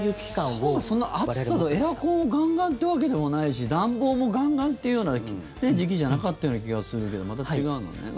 ３月、そんな暑さエアコンをガンガンってわけでもないし暖房もガンガンというような時期じゃなかった気がするけどまた違うのね。